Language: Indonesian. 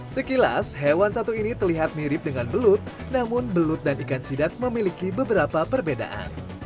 sekilas hewan satu ini terlihat mirip dengan belut namun belut dan ikan sidat memiliki beberapa perbedaan